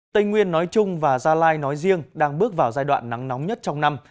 tây nguyên nói chung và gia lai nói riêng đang bước vào giai đoạn nắng nóng nhất trong năm